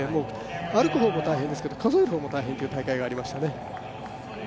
歩く方も大変なんですけど、数える方も大変という大会がありましたね。